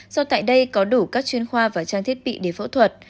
do tại đây có đủ các chuyên khoa và trang thiết bị để phẫu thuật